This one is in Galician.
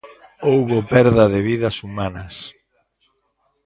Houbo perda de vidas humanas.